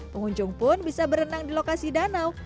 pengunjung pun bisa berenang di lokasi danau